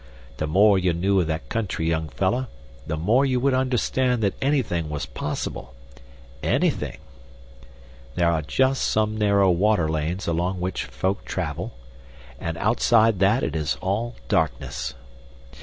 The more you knew of that country, young fellah, the more you would understand that anythin' was possible ANYTHIN'! There are just some narrow water lanes along which folk travel, and outside that it is all darkness.